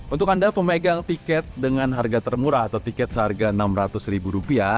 untuk anda pemegang tiket dengan harga termurah atau tiket seharga rp enam ratus